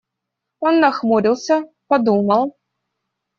Он нахмурился, подумал.